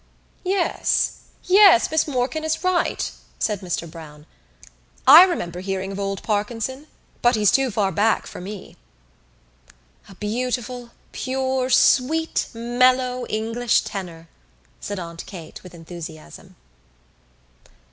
"Yes, yes, Miss Morkan is right," said Mr Browne. "I remember hearing of old Parkinson but he's too far back for me." "A beautiful pure sweet mellow English tenor," said Aunt Kate with enthusiasm.